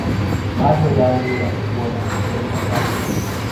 macho yangu yalikuwa mazito kwa ghafla